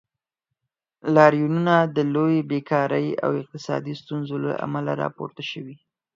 لاریونونه د لوړې بیکارۍ او اقتصادي ستونزو له امله راپورته شوي.